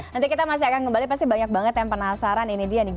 nanti kita masih akan kembali pasti banyak banget yang penasaran ini dia nih